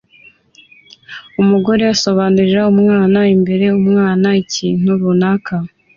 Umugore asobanurira umwana imbere umwana ikintu runaka